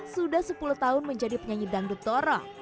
sudah sepuluh tahun menjadi penyanyi dangdut toro